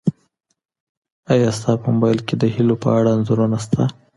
ایا ستا په موبایل کي د هیلو په اړه انځورونه سته؟